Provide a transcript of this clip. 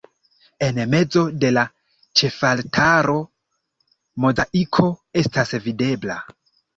En mezo de la ĉefaltaro mozaiko estas videbla.